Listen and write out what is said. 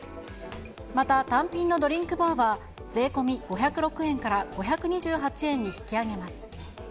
また単品のドリンクバーは税込み５０６円から５２８円に引き上げます。